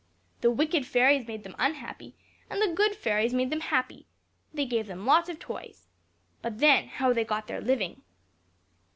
The wicked fairies made them unhappy, and the good fairies made them happy; they gave them lots of toys. But then, how they got their living!